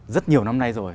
rất nhiều năm nay rồi